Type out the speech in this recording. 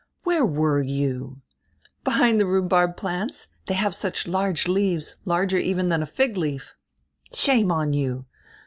"Where were you?" "Behind die rhubarb plants; diey have such large leaves, larger even dian a fig leaf." "Shame on you."